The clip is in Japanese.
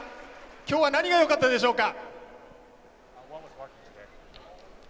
きょうは何がよかったでしょうか？